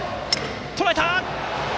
とらえた！